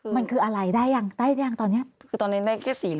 มันคืออะไรได้ยังตอนนี้